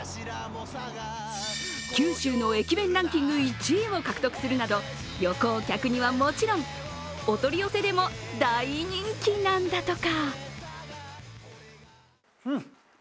九州の駅弁ランキング１位を獲得するなど、旅行客にはもちろん、お取り寄せでも大人気だとか。